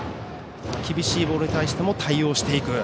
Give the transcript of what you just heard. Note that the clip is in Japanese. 厳しいボールに対しても対応していく。